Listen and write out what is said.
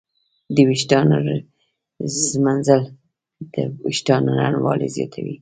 د ویښتانو ږمنځول د وېښتانو نرموالی زیاتوي.